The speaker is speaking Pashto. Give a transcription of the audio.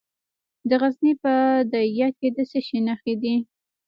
د غزني په ده یک کې د څه شي نښې دي؟